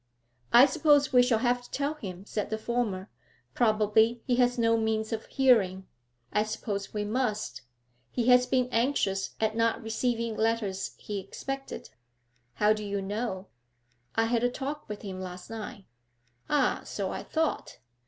'I suppose we shall have to tell him,' said the former. 'Probably he has no means of hearing.' 'I suppose we must. He has been anxious at not receiving letters he expected.' 'How do you know?' 'I had a talk with him last night.' 'Ah, so I thought.